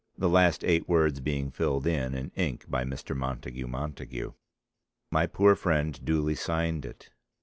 The last eight words being filled in in ink by Mr. Montagu Montague. My poor friend duly signed it.